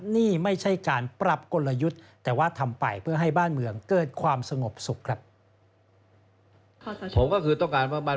นี่ไม่ใช่การปรับกลยุทธ์แต่ว่าทำไปเพื่อให้บ้านเมืองเกิดความสงบสุขครับ